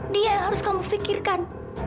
dia yang harus kamu pikirkan